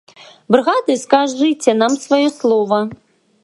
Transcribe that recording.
Брыгады, скажыце нам сваё слова.